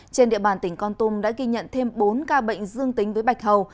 trên địa bàn tỉnh con tum đã ghi nhận thêm bốn ca bệnh dương tính với bạch hầu